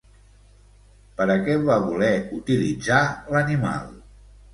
Per a què va voler utilitzar l'animal?